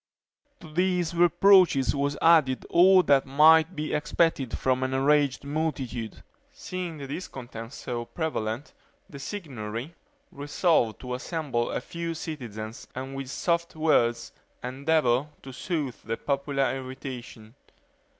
To these reproaches was added all that might be expected from an enraged multitude. Seeing the discontent so prevalent, the Signory resolved to assemble a few citizens, and with soft words endeavor to soothe the popular irritation.